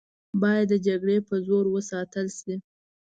باید د جګړې په زور وساتله شي.